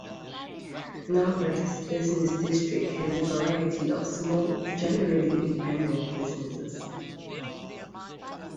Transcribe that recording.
Narberth's business district has a variety of small, generally independent businesses.